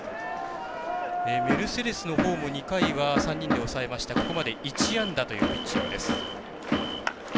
メルセデスのほうも２回は３人で抑えましたがここまで１安打というピッチング。